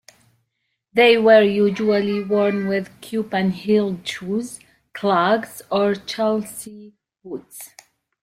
They were usually worn with Cuban-heeled shoes, clogs, or Chelsea boots.